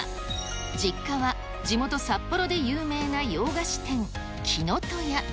実家は地元、札幌で有名な洋菓子店、きのとや。